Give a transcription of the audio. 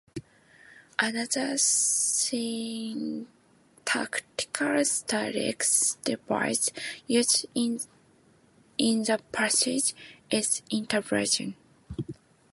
Another syntactical stylistic device used in the passage is inversion.